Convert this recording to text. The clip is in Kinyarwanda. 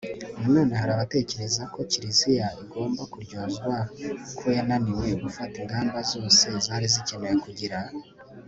Nanone hari abatekereza ko Kiliziya igomba kuryozwa ko yananiwe gufata ingamba zose zari zikenewe kugira